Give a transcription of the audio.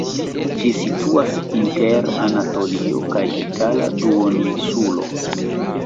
Ĝi situas inter Anatolio kaj Itala duoninsulo.